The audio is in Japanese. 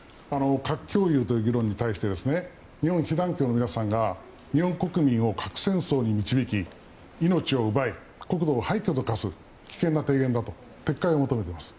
核共有という議論に対して被爆者の方からは日本国民を核戦争に導き命を奪い、国土を廃墟と化す危険な提言だと撤回を求めています。